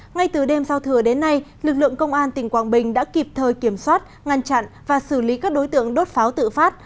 ngay từ đêm sau thừa đến nay lực lượng công an tỉnh quảng bình đã kịp thời kiểm soát ngăn chặn và xử lý các đối tượng đốt pháo tự phát